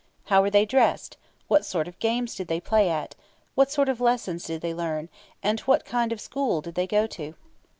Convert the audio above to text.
How were they dressed, what sort of games did they play at, what sort of lessons did they learn, and what kind of school did they go to?